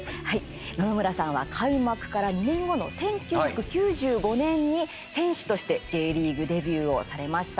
野々村さんは開幕から２年後の１９９５年に選手としてＪリーグデビューをされました。